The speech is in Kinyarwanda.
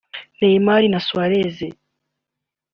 Neymar na Suarez